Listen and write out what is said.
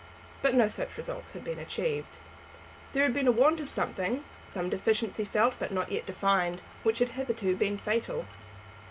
But no such results had been achieved. There had been a want of something, some deficiency felt but not yet defined, which had hitherto been fatal.